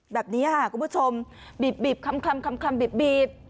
แบบนี้ค่ะคุณผู้ชมบีบคลำบีบ